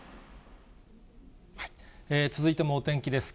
続いてもお天気です。